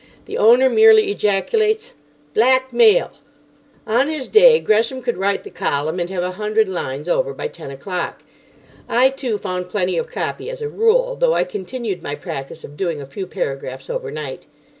The owner merely ejaculates 'Black male!'" On his day Gresham could write the column and have a hundred lines over by ten o'clock. I, too, found plenty of copy as a rule, though I continued my practice of doing a few paragraphs overnight.